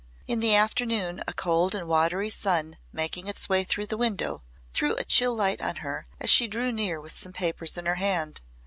In the afternoon a cold and watery sun making its way through the window threw a chill light on her as she drew near with some papers in her hand.